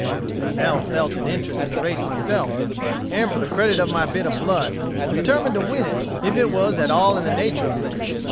I now felt an interest in the race myself, and, for the credit of my bit of blood, determined to win it if it was at all in the nature of things.